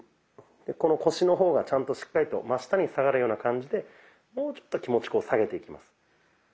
この腰の方がちゃんとしっかりと真下に下がるような感じでもうちょっと気持ち下げていきます。